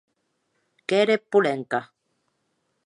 Qu’ère Polenka.